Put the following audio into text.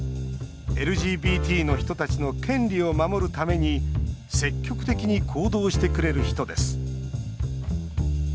ＬＧＢＴの人たちの権利を守るために積極的に行動してくれる人です。